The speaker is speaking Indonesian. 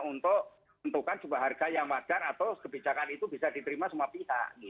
untuk menentukan sebuah harga yang wajar atau kebijakan itu bisa diterima semua pihak